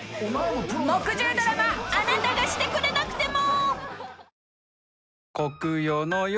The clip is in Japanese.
［木１０ドラマ『あなたがしてくれなくても』］